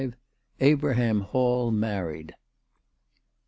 ABRAHAM HALL MARRIED.